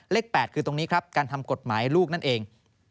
เลข๘คือตรงนี้ครับการทำกฎหมายลูกนั่นเอง